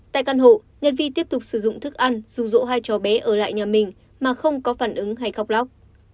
tại căn hộ nhật vi tiếp tục sử dụng thức ăn dù dỗ hai cháu bé ở lại nhà mình mà không có phản ứng hay khóc lóc